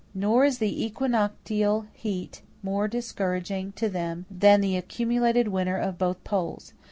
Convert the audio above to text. Nor is the equinoctial heat more discouraging to them than the accumulated winter of both poles.